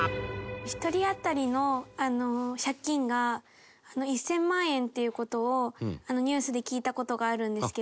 １人あたりの借金が１０００万円っていう事をニュースで聞いた事があるんですけど。